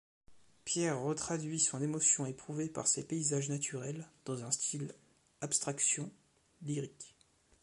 Pierre retraduit son émotion éprouvée par ces paysages naturels dans un style abstraction lyrique.